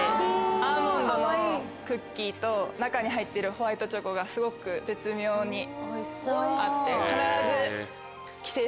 アーモンドのクッキーと中に入ってるホワイトチョコがすごく絶妙に合って必ず。